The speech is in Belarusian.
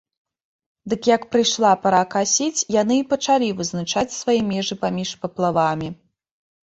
Дык як прыйшла пара касіць, яны і пачалі вызначаць свае межы паміж паплавамі.